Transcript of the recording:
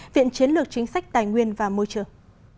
viện chiến lược chính sách tài nguyên và môi trường